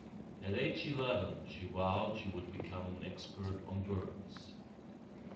At age eleven, she vowed she would become an expert on birds.